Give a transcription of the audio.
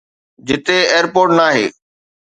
جتي ايئرپورٽ ناهي